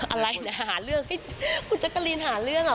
อะไรนะหาเรื่องคุณจักรีนหาเรื่อง